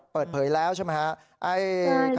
เปิดเผยแล้วใช่ไหมครับ